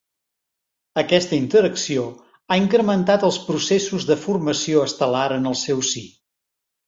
Aquesta interacció ha incrementat els processos de formació estel·lar en el seu si.